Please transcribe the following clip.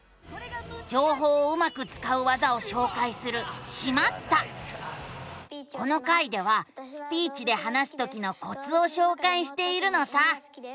じょうほうをうまくつかう技をしょうかいするこの回ではスピーチで話すときのコツをしょうかいしているのさ。